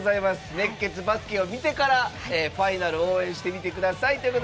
「熱血バスケ」を見てからファイナル応援してみてください。